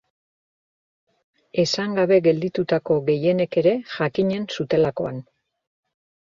Esan gabe gelditutako gehienek ere jakinen zutelakoan.